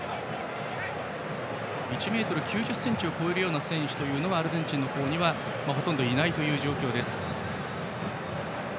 １ｍ９０ｃｍを超えるような選手がアルゼンチンにはほとんどいない状況です。